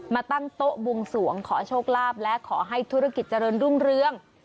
มาตั้งโต๊ะบวงสวงขอโชคลาภและขอให้ธุรกิจเจริญรุ่งเรือง